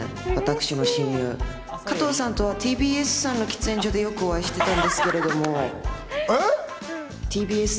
私の親友、加藤さんとはＴＢＳさんの喫煙所で、よくお会いしていたんですけど。